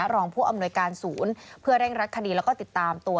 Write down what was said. รองผู้อำนวยการศูนย์เพื่อเร่งรัดคดีแล้วก็ติดตามตัว